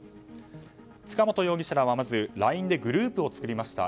塚本容疑者らはまずＬＩＮＥでグループを作りました。